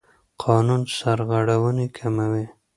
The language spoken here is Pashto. قانون سرغړونې کموي.